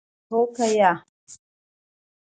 هو که یا ؟